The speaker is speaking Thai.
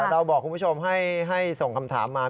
เราบอกคุณผู้ชมให้ส่งคำถามมา